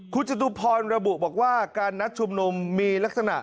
คุณจตุพรระบุบอกว่าการนัดชุมนุมมีลักษณะ